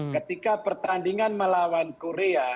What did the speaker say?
ketika pertandingan melawan korea